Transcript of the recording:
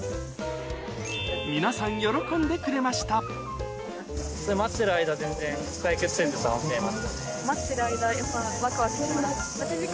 皆さん喜んでくれました待ってる間。